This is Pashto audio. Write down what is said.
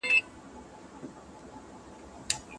موږ به سبا خپل نوي کتابونه نورو زده کوونکو ته ورکړو.